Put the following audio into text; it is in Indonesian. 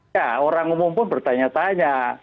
ya orang umum pun bertanya tanya